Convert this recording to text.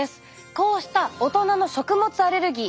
こうした大人の食物アレルギー